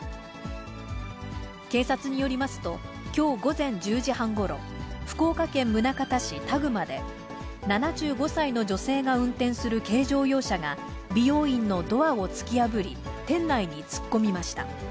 警察によりますと、きょう午前１０時半ごろ、福岡県宗像市田熊で、７５歳の女性が運転する軽乗用車が、美容院のドアを突き破り、店内に突っ込みました。